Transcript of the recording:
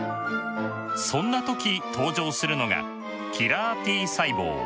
そんな時登場するのがキラーＴ細胞。